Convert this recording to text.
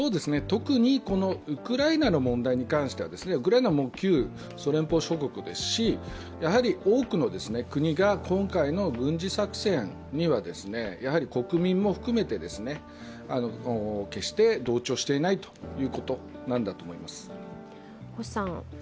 特にこのウクライナの問題に関してはウクライナも旧ソ連邦諸国ですし多くの国が今回の軍事作戦には国民も含めて、決して同調していないということなんだと思います。